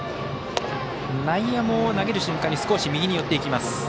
内野も投げる瞬間に右に寄っていきます。